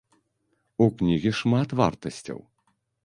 У кнігі шмат вартасцяў.